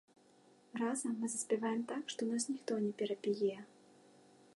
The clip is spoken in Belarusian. Разам мы заспяваем так, што нас ніхто не перапяе.